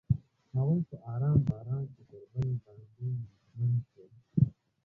هغوی په آرام باران کې پر بل باندې ژمن شول.